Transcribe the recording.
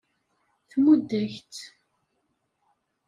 Tmudd-ak-tt.